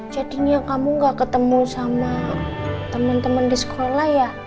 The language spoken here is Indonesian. jadinya kamu gak ketemu sama teman teman di sekolah ya